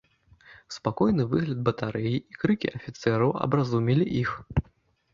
Спакойны выгляд батарэі і крыкі афіцэраў абразумілі іх.